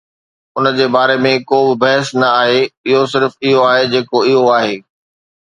ان جي باري ۾ ڪو به بحث نه آهي، اهو صرف اهو آهي جيڪو اهو آهي.